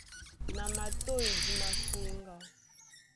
Na matôy di maseŋgá.